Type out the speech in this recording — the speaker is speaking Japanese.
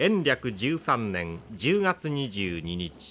１３年１０月２２日。